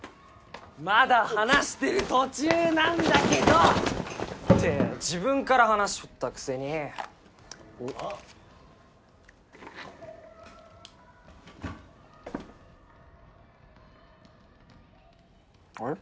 まだ話してる途中なんだけど！って自分から話振ったくせにあっあれ？